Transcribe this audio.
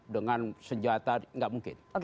dengan senjata tidak mungkin